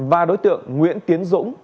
và đối tượng nguyễn tiến dũng